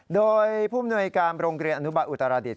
โดยผู้มนวยการโรงเรียนอนุบาลอุตราดิษ